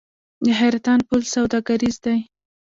د حیرتان پل سوداګریز دی